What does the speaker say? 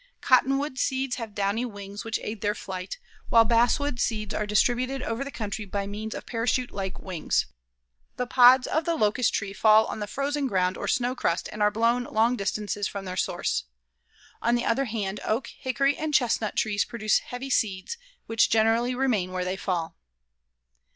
Cottonwood seeds have downy wings which aid their flight, while basswood seeds are distributed over the country by means of parachute like wings. The pods of the locust tree fall on the frozen ground or snow crust and are blown long distances from their source. On the other hand, oak, hickory, and chestnut trees produce heavy seeds which generally remain where they fall.